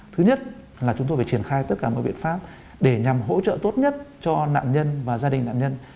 thứ nhất là chúng tôi phải triển khai tất cả mọi biện pháp để nhằm hỗ trợ tốt nhất cho nạn nhân và gia đình nạn nhân